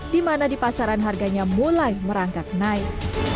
di mana di pasaran harganya mulai merangkak naik